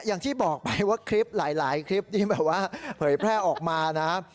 อย่างที่บอกไปว่าคลิปหลายคลิปที่แบบว่าเผยแพร่ออกมานะ